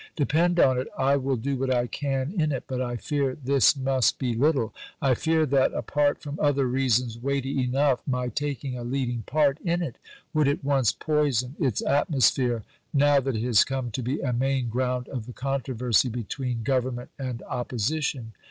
Depend on it I will do what I can in it: but I fear this must be little. I fear that apart from other reasons weighty enough my taking a leading part in it would at once poison its atmosphere, now that it has come to be a main ground of the controversy between Government and Opposition.